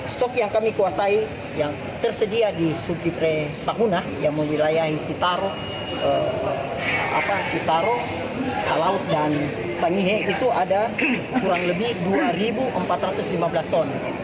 stok yang kami kuasai yang tersedia di subdivre tahunan yang membawahi wilayah sitarota laut dan sangihe itu ada kurang lebih dua empat ratus lima belas ton